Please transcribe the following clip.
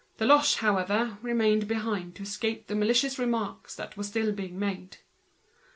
Deloche, however, remained behind to escape the malicious remarks that were still being made.